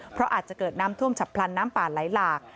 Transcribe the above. เพราะอาจจะเกิดน้ำท่วมฉับพลันน้ำป่าไหลหลาก